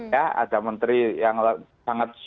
ya ada menteri yang banget semangat menyamakan pariwisata